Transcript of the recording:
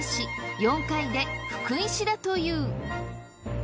４回で福井市だという。